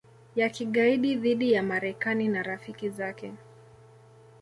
ya kigaidi dhidi ya Marekani na rafiki zake